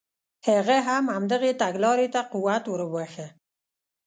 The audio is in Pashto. هغه هم همدغې تګلارې ته قوت ور وبخښه.